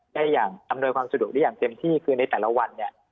ได้อย่างอำนวยความสะดวกได้อย่างเต็มที่คือในแต่ละวันเนี่ย